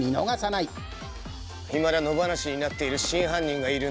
いまだ野放しになっている真犯人がいるんです。